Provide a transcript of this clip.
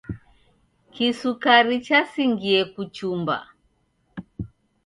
Kisukari chasingie kuchumba.